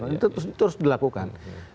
itu terus dilakukan